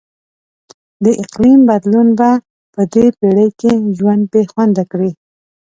د اقلیم بدلون به په دې پیړۍ کې ژوند بیخونده کړي.